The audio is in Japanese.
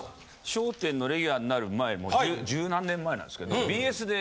『笑点』のレギュラーになる前十何年前なんですけど。